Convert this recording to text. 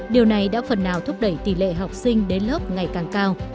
điều này đã phần nào thúc đẩy tỷ lệ học sinh đến lớp ngày càng cao